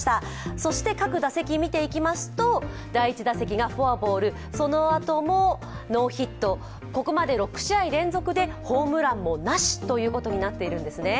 そして、各打席、見ていきますとそのあともノーヒット、ここまで６試合連続でホームランもなしということになっているんですね。